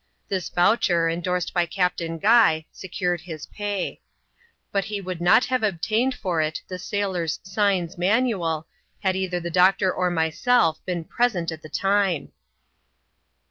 This voucher, endorsed by Captain Guy, secured his pay. But he would not have obtained for it the sailors' signs manual, had either the doctor or myself been present at the time.